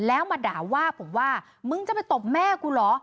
แล้วมาด่าว่าผมว่ามึงจะไปตบแม่กูเหรอ